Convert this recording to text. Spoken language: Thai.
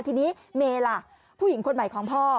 ทีนี้เมล่ะผู้หญิงคนใหม่ของพ่อ